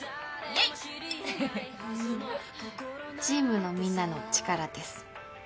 チームのみんなの力です。